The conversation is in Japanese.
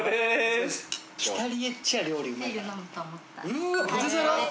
うわっポテサラ？